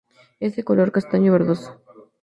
Es de color castaño verdoso.